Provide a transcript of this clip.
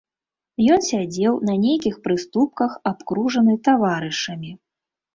Ён сядзеў на нейкіх прыступках, абкружаны таварышамі.